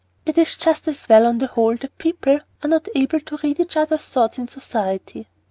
It is just as well, on the whole, that people are not able to read each other's thoughts in society.